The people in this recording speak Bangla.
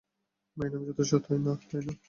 মায়ের নাম যথেষ্ট না, তাই না?